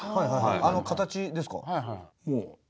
あの形ですか。